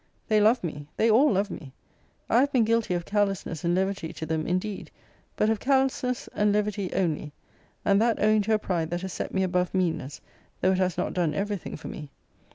They love me. They all love me. I have been guilty of carelessness and levity to them, indeed; but of carelessness and levity only; and that owing to a pride that has set me above meanness, though it has not done every thing for me.